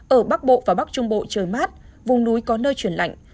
ở bắc bộ và bắc trung bộ trời mát vùng núi có nơi chuyển lạnh